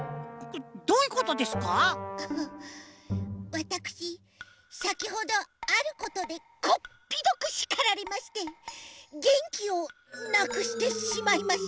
わたくしさきほどあることでこっぴどくしかられましてげんきをなくしてしまいました。